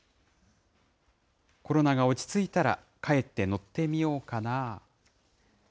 コロナが落ち着いたら、帰って乗ってみようかな。